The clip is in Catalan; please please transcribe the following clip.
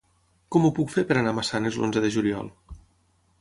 Com ho puc fer per anar a Massanes l'onze de juliol?